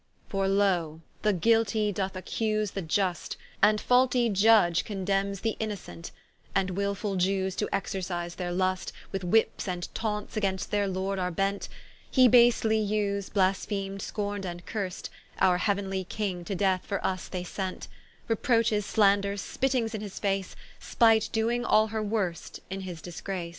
For loe, the Guiltie doth accuse the Iust, And faultie Iudge condemnes the Innocent; And wilfull Iewes to exercise their lust, With whips and taunts against their Lord are bent; He basely vs'd, blasphemed, scorn'd and curst, Our heauenly King to death for vs they sent: Reproches, slanders, spittings in his face, Spight doing all her worst in his disgrace.